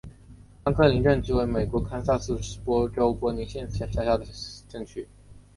康克林镇区为美国堪萨斯州波尼县辖下的镇区。